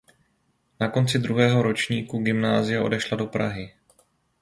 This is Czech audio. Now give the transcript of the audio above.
Na konci druhého ročníku gymnázia odešla do Prahy.